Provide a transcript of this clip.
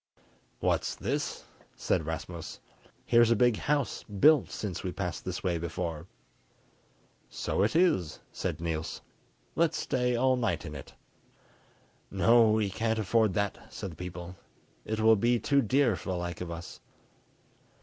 "What's this?" said Rasmus. "Here's a big house built since we passed this way before." "So it is," said Peter; "let's stay all night in it." "No, we can't afford that," said the old people; "it will be too dear for the like of us."